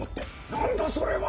何だそれは！